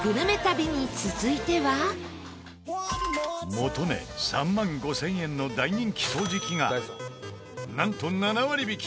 元値３万５０００円の大人気掃除機がなんと７割引き！